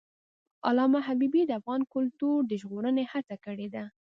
علامه حبیبي د افغان کلتور د ژغورنې هڅې کړی دي.